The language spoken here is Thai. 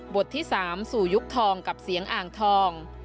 ที่๓สู่ยุคทองกับเสียงอ่างทอง